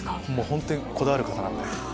本当にこだわる方なんで。